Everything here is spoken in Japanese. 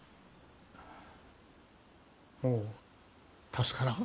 もう助からん。